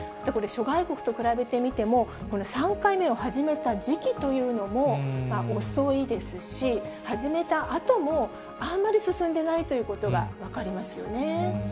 諸外国と比べてみても、この３回目を始めた時期というのも、遅いですし、始めたあともあんまり進んでないということが分かりますよね。